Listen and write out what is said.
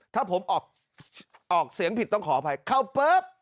ถ้าผมออกเสียงผิดต้องขออภัยเข้าปุ๊บ